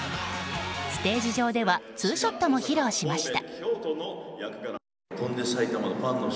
ステージ上ではツーショットも披露しました。